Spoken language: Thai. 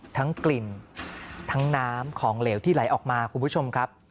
ทั้งกลิ่นทั้งน้ำของเหลวที่ไหลออกมาคุณผู้ชมครับ